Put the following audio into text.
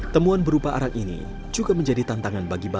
temuan berupa arah ini juga menjadi tantangan bagi pemerintah